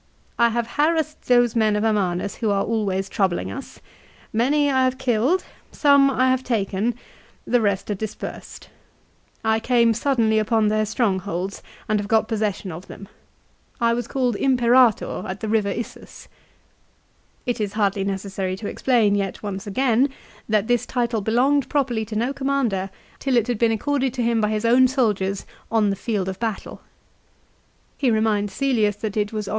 "1 have harassed those men of Amanus who are always troubling us. Many I have killed ; some I have taken ; the rest are dispersed. I came suddenly upon their strongholds, and have got possession of them. I was called ' Imperator ' at the river Issus." It is hardly necessary to explain, yet once again, that this title belonged properly to no commander till it had been accorded to him by his own soldiers on the field of battle. 2 He reminds Cselius that it was on the Issus 1 Ad Div. lib. ii. 10.